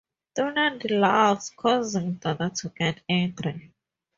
Donald laughs causing Donna to get angry.